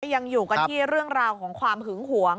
ยังอยู่กันที่เรื่องราวของความหึงหวง